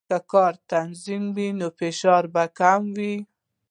که کار منظم وي، نو فشار به کم شي.